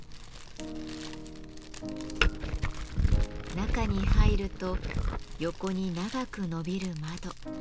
中に入ると横に長くのびる窓。